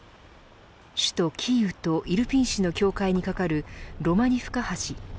首都キーウとイルピン市の境界にかかるロマニフカ橋。